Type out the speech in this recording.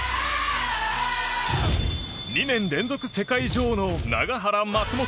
２年連続世界女王の永原、松本。